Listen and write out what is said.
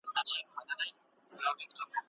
د سياسي جريانونو تاريخ بايد په دقت ولوستل سي.